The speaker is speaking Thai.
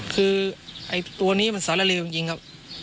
คือไอ้ตัวนี้มันสารเลวจริงครับ